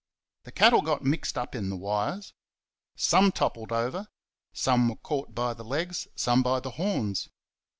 The cattle got mixed up in the wires. Some toppled over; some were caught by the legs; some by the horns.